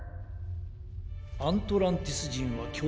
アントランティスじんはきょだ